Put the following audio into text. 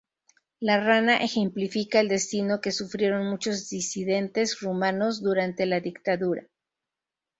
La rana ejemplifica el destino que sufrieron muchos disidentes rumanos durante la dictadura.